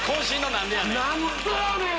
何でやねん‼